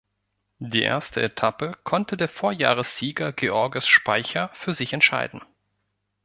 Die erste Etappe konnte der Vorjahressieger Georges Speicher für sich entscheiden.